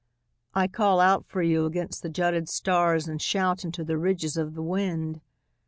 I call out for you against the jutted stars And shout into the ridges of the wind.